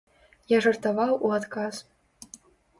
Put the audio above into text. Я жартаваў у адказ.